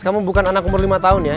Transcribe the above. kamu bukan anak umur lima tahun ya